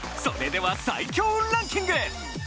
それでは最強運ランキング！